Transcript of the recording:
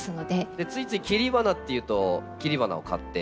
ついつい切り花っていうと切り花を買ってくる。